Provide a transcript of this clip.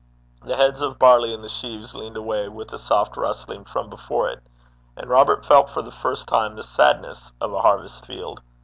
The heads of barley in the sheaves leaned away with a soft rustling from before it; and Robert felt for the first time the sadness of a harvest field.